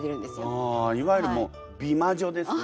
ああいわゆるもう美魔女ですね。